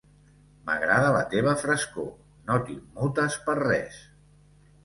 M'agrada la teva frescor: no t'immutes per res.